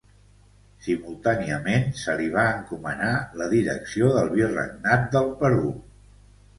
Simultàniament, se li va encomanar la Direcció del Virregnat del Perú.